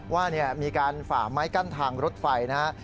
ว่ามีการฝ่าไม้กั้นทางรถไฟนะครับ